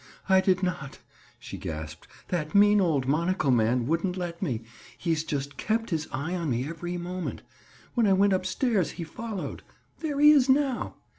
"I did not," she gasped. "That mean old monocle man wouldn't let me. He's just kept his eye on me every moment. When I went up stairs, he followed. There he is now.